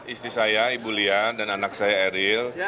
istri saya ibu lian dan anak saya eril